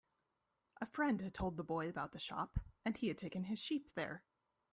A friend had told the boy about the shop, and he had taken his sheep there.